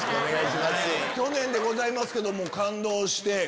去年でございますけども感動して。